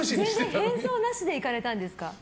全然、変装なしで行かれたんですか？